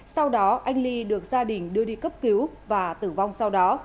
sau đó anh ly được gia đình đưa đi cấp cứu và tử vong sau đó